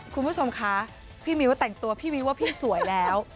คุณผู้ชมคะพี่มิ้วแต่งตัวพี่มิ้วว่าพี่สวยแล้ว